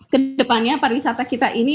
kedepannya pariwisata kita ini